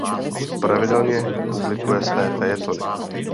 Pravidelně publikuje své fejetony.